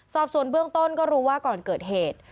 สอบส่วนเบื้องต้นก็รู้ว่าก่อนเกิดเหตุ